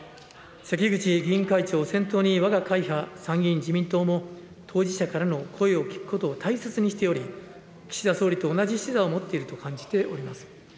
関口議員会長を先頭にわが会派、参議院自民党も、当事者からの声を聞くことを大切にしており、岸田総理と同じ視座を持っていると感じております。